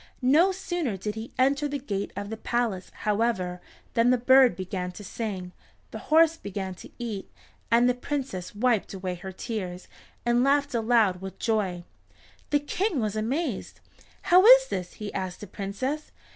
No sooner did he enter the gate of the palace, however, than the bird began to sing, the horse began to eat, and the Princess wiped away her tears, and laughed aloud with joy. The King was amazed. "How is this?" he asked the Princess.